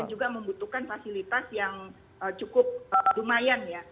dan juga membutuhkan fasilitas yang cukup lumayan ya